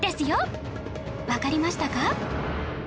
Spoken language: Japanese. わかりましたか？